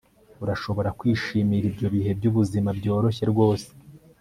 urashobora kwishimira ibyo bihe byubuzima byoroshye rwose